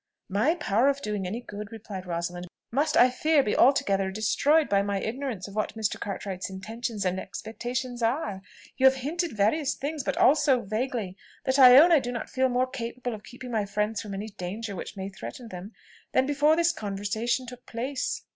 "My power of doing any good," replied Rosalind, "must, I fear, be altogether destroyed by my ignorance of what Mr. Cartwright's intentions and expectations are. You have hinted various things, but all so vaguely, that I own I do not feel more capable of keeping my friends from any danger which may threaten them, than before this conversation took place."